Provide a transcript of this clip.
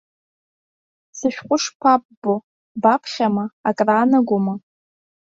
Сышәҟәы шԥаббо, баԥхьама, акраанагома?